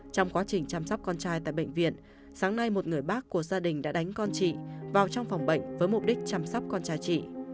trong quá trình chăm sóc con trai tại bệnh viện sáng nay một người bác của gia đình đã đánh con chị vào trong phòng bệnh với mục đích chăm sóc con trai chị